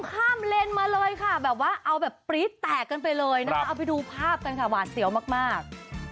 ข้ามเลนมาเลยค่ะแบบว่าเอาแบบปรี๊ดแตกกันไปเลยนะคะเอาไปดูภาพกันค่ะหวาดเสียวมาก